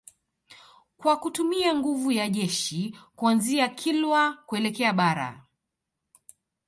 Kwa kutumia nguvu ya jeshi kuanzia Kilwa kuelekea Bara